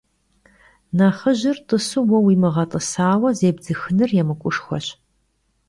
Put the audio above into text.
Nexhıjır t'ısu vue vuimığet'ısaue zêbdzıxınır yêmık'uşşxueş.